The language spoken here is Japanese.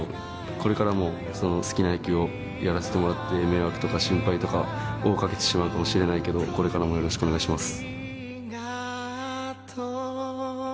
これからも好きな野球をやらせてもらって、迷惑とか心配とかをかけてしまうかもしれないけど、これからもよろしくお願いします。